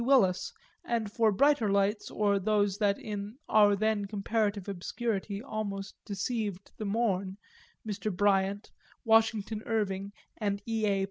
Willis and, for brighter lights or those that in our then comparative obscurity almost deceived the morn, Mr. Bryant, Washington Irving and E. A.